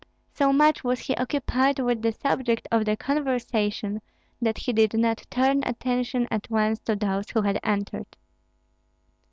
So much was he occupied with the subject of the conversation that he did not turn attention at once to those who had entered.